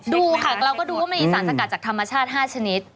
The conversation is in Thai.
ดูค่ะเราก็ดูว่ามันมีสารสกัดจากธรรมชาติ๕ชนิด